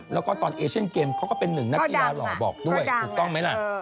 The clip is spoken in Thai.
แล้วก็ตอนเอเชียนเกมเขาก็เป็นหนึ่งนักกีฬาหล่อบอกด้วยถูกต้องไหมล่ะ